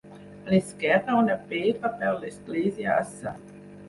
A l'esquerra una pedra per l'església a Sal.